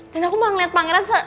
dan aku malah ngeliat pangeran